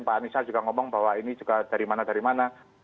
pak anissa juga ngomong bahwa ini juga dari mana dari mana